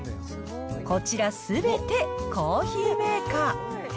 こちら、すべてコーヒーメーカー。